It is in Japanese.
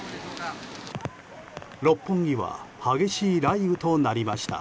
六本木は激しい雷雨となりました。